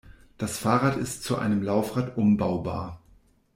Das Fahrrad ist zu einem Laufrad umbaubar.